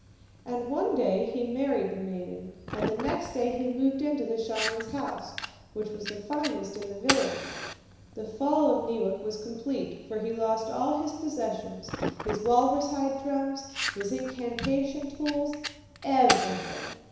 And one day he married the maiden, and the next day he moved into the shaman's house, which was the finest in the village. The fall of Neewak was complete, for he lost all his possessions, his walrus hide drums, his incantation tools everything.